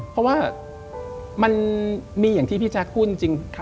เพราะว่ามันมีอย่างที่พี่แจ๊คพูดจริง